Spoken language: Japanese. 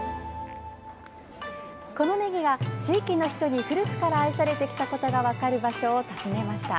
このねぎが地域の人に古くから愛されてきたことが分かる場所を訪ねました。